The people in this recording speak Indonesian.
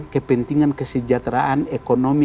kepentingan kesejahteraan ekonomi